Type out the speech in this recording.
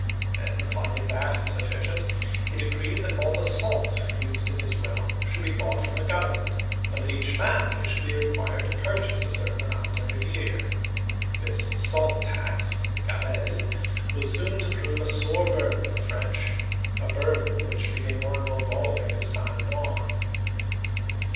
Then, finding that insufficient, he decreed that all the salt used in his realm should be bought from the gov ernment, and that each family should be required to purchase a certain amount every year. This salt tax (gabelle) was soon to prove a sore burden to the French, a burden which became more and more galling as time went on.